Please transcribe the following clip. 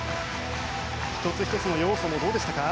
１つ１つの要素もどうでしたか？